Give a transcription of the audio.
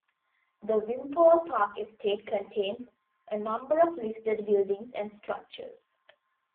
The Wimpole Park Estate contains a number of listed buildings and structures.